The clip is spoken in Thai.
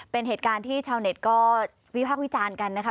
เป็นเหตุการณ์ที่ชาวเน็ตก็วิพากษ์วิจารณ์กันนะคะ